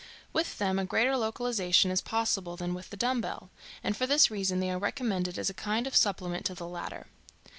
With them a greater localization is possible than with the dumbbell, and for this reason they are recommended as a kind of supplement to the latter.